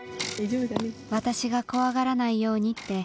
私が怖がらないようにって